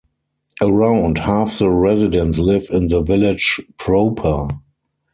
Around half the residents live in the village proper.